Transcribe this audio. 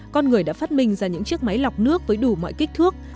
con người đã phát minh ra những chiếc máy lọc nước với đủ mọi kích thước